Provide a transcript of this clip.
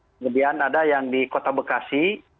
kemudian ada yang di kota bekasi